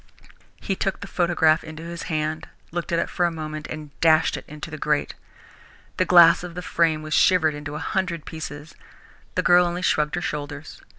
He took the photograph into his hand, looked at it for a moment, and dashed it into the grate. The glass of the frame was shivered into a hundred pieces. The girl only shrugged her shoulders.